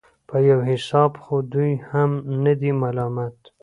په يو حساب خو دوى هم نه دي ملامت.